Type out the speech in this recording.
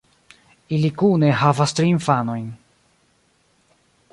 Ili kune havas tri infanojn.